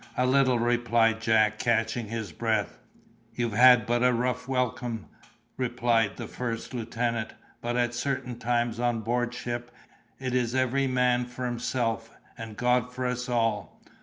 "A little," replied Jack, catching his breath. "You've had but a rough welcome," replied the first lieutenant, "but at certain times on board ship, it is every man for himself and God for us all.